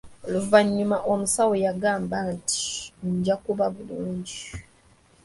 Oluvannyuma omusawo yagamba nti njakuba bulungi.